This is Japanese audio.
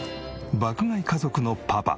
爆買い家族のパパ